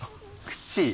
口。